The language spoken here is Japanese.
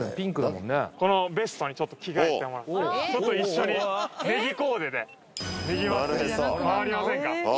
このベストにちょっと着替えてもらってちょっと一緒にねぎコーデでなるへそねぎまつり回りませんか？